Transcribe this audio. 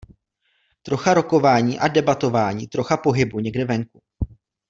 Trocha rokování a debatování, trocha pohybu někde venku.